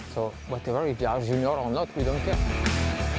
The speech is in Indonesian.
jadi apa pun jika mereka jenior atau tidak kita tidak peduli